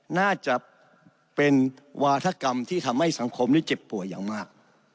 น่าจะเป็นวาธกรรมที่ทำให้สังคมนี้เจ็บป่วยอย่างมาก